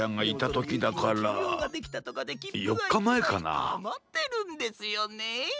あまってるんですよね。